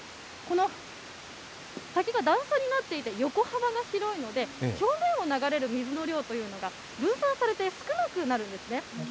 滝が段差になっていて、横幅が広いので、表面を流れる水の量というのが、分散されて少なくなるんですね。